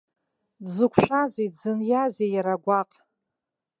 Дзықәшәазеи, дзыниазеи иара гәаҟ?